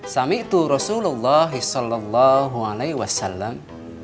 samiktu rasulullahi sallallahu alaihi wasallam